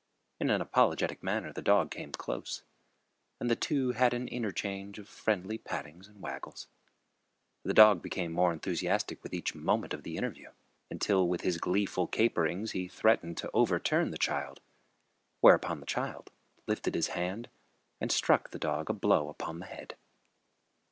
In an apologetic manner the dog came close, and the two had an interchange of friendly pattings and waggles. The dog became more enthusiastic with each moment of the interview, until with his gleeful caperings he threatened to overturn the child. Whereupon the child lifted his hand and struck the dog a blow upon the head.